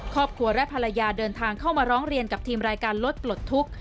ครอบครัวและภรรยาเดินทางเข้ามาร้องเรียนกับทีมรายการรถปลดทุกข์